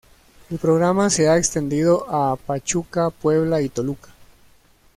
El programa se ha extendido a Pachuca, Puebla y Toluca.